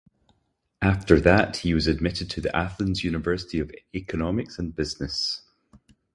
After that, he was admitted to the Athens University of Economics and Business.